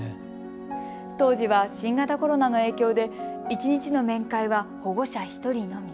当時は新型コロナの影響で一日の面会は保護者１人のみ。